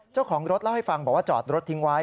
เจ้าของรถเล่าให้ฟังบอกว่าจอดรถทิ้งไว้